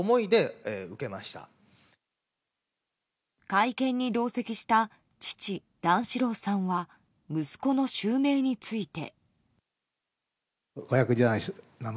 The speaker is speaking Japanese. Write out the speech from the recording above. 会見に同席した父・段四郎さんは息子の襲名について。